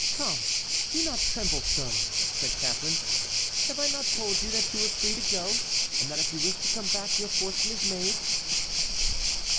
"Come, do not tremble so," said Catharine. "Have I not told you that you were free to go, and that if you wish to come back your fortune is made?"